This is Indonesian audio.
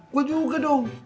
gue juga dong